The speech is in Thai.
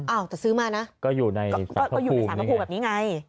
อ๋ออ้าวแต่ซื้อมานะก็อยู่ในสถานประภูมิแบบนี้ไง